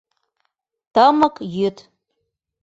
Тымык йӱд…